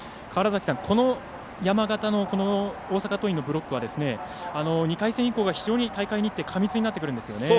この山がたの大阪桐蔭のブロックは２回戦以降、非常に日程が過密になるんですよね。